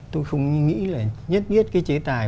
tôi không nghĩ là nhất biết cái chế tài